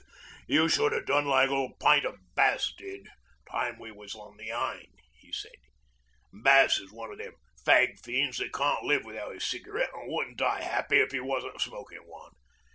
'You should 'a' done like old Pint o' Bass did, time we was on the Aisne,' he said. 'Bass is one of them fag fiends that can't live without a cigarette, and wouldn't die happy if he wasn't smokin' one.